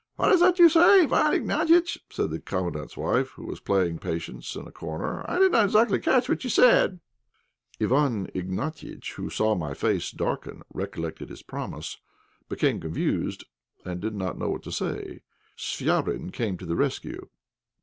"What is that you say, Iwán Ignatiitch?" said the Commandant's wife, who was playing patience in a corner. "I did not exactly catch what you said." Iwán Ignatiitch, who saw my face darken, recollected his promise, became confused, and did not know what to say. Chvabrine came to the rescue.